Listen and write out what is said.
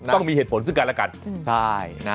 ต้องมีเหตุผลซึ่งกันและกัน